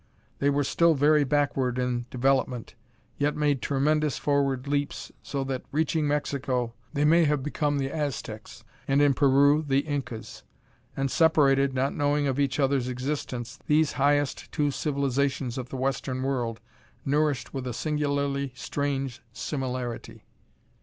They were still very backward in development, yet made tremendous forward leaps, so that, reaching Mexico, they may have become the Aztecs, and in Peru, the Incas. And separated, not knowing of each other's existence, these highest two civilizations of the Western World nourished with a singularly strange similarity....